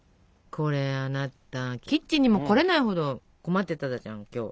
これあなたキッチンにも来れないほど困ってたじゃん今日。